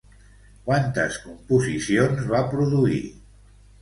Quantes composicions va produir?